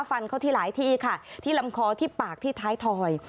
ฟันเข้าที่หลายที่ค่ะที่ลำคอที่ปากที่ท้ายถอย